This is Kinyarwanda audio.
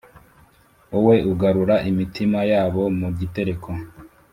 wowe ugarura imitima yabo mugitereko